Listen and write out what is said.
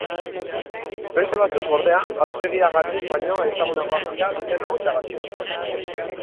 Beste batzuk, ordea, aurpegiagatik baino ezagunagoak dira duten ahotsagatik.